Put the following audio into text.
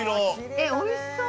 えっおいしそう！